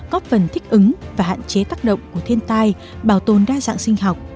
có phần thích ứng và hạn chế tác động của thiên tai bảo tồn đa dạng sinh học